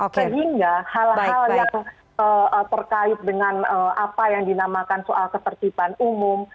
sehingga hal hal yang terkait dengan apa yang dinamakan soal ketertiban umum